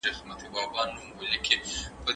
هغه په لاري کي روان و او فکر يې کوی.